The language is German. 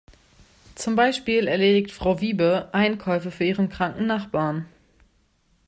Zum Beispiel erledigt Frau Wiebe Einkäufe für ihren kranken Nachbarn.